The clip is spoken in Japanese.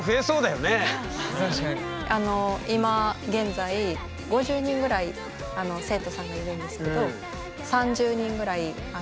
あの今現在５０人ぐらい生徒さんがいるんですけどへえ！